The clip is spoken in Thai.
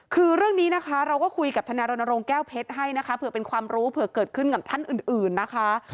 คือเรื่องนี้นะคะเราก็คุยกับทนายรณรงค์แก้วเพชรให้นะคะเผื่อเป็นความรู้เผื่อเกิดขึ้นกับท่านอื่นนะคะ